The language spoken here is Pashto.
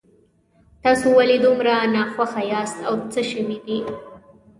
تاسو ولې دومره ناخوښه یاست او څه شوي دي